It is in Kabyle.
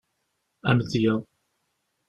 Amedya.